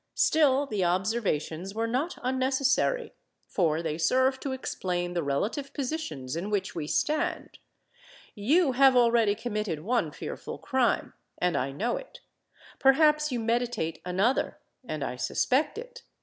Still the observations were not unnecessary; for they serve to explain the relative positions in which we stand. You have already committed one fearful crime—and I know it: perhaps you meditate another—and I suspect it.